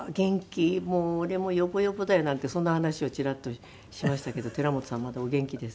もう俺もヨボヨボだよ」なんてそんな話をチラッとしましたけど寺本さんまだお元気です。